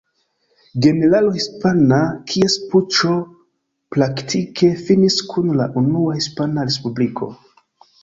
Generalo hispana kies puĉo praktike finis kun la Unua Hispana Respubliko.